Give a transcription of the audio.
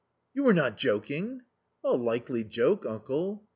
"You are not joking !"" A likely joke, uncle